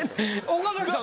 岡崎さん